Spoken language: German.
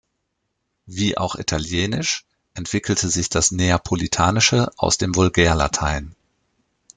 Wie auch Italienisch, entwickelte sich das Neapolitanische aus dem Vulgärlatein.